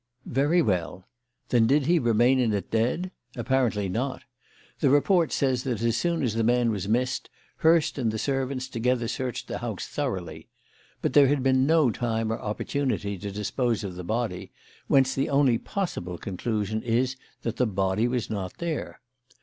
"Very well. Then did he remain in it dead? Apparently not. The report says that as soon as the man was missed, Hurst and the servants together searched the house thoroughly. But there had been no time or opportunity to dispose of the body, whence the only possible conclusion is that the body was not there.